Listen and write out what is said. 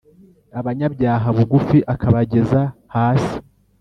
abanyabyaha bugufi akabageza hasi